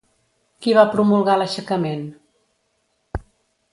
Qui va promulgar l'aixecament?